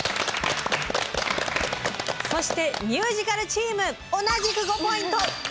そしてミュージカルチーム同じく５ポイント！